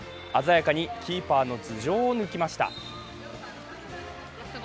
鮮やかにキーパーの頭上を抜きました。